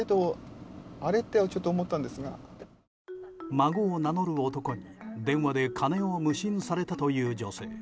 孫を名乗る男に、電話で金を無心されたという女性。